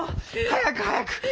早く早く！